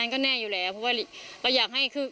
อันนั้นก็แน่อยู่แหละเพราะว่า